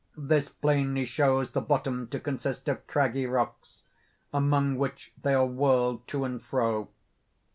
This plainly shows the bottom to consist of craggy rocks, among which they are whirled to and fro.